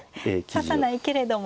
指さないけれども。